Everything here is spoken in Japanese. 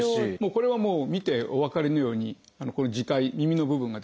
これはもう見てお分かりのようにここの耳介耳の部分がですね